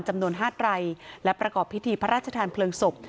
จำนวน๕ไรและประกอบพิธีพระราชทานเพลิงศพ